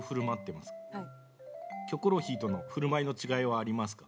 『キョコロヒー』との振る舞いの違いはありますか？